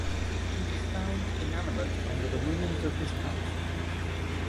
He was found inanimate under the ruins of his house.